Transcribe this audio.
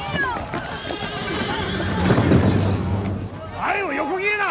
前を横切るな！